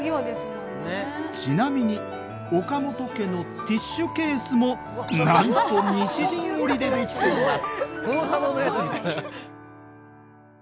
ちなみに岡本家のティッシュケースもなんと西陣織でできています！